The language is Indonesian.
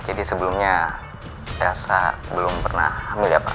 jadi sebelumnya yelza belum pernah hamil ya pak